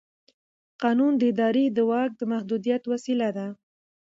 قانون د ادارې د واک د محدودیت وسیله ده.